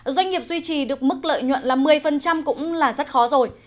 doanh nghiệp duy trì được mức lợi nhuận là một mươi cũng là rất khó rồi